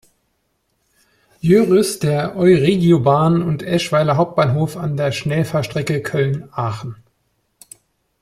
Jöris" der Euregiobahn und "Eschweiler Hbf" an der Schnellfahrstrecke Köln–Aachen.